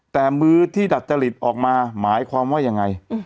แต่มือที่ดัดจริตออกมาหมายความว่ายังไง